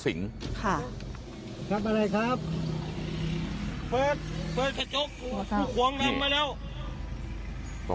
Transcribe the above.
สิงค่ะ